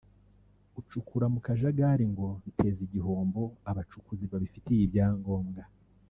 Gucukura mu kajagari ngo biteza igihombo abacukuzi babifitiye ibyangombwa